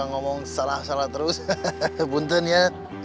ngomong salah salah terus buntun ya